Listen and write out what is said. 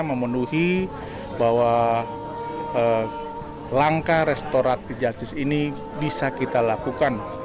memenuhi bahwa langkah restoran pijasis ini bisa kita lakukan